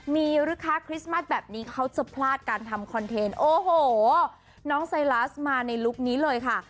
มีลูกค้าคริสต์มัสแบบนี้เขาจะพลาดการทำคอนเทนต์โอ้โหน้องไซลัสมาในลุคนี้เลยค่ะ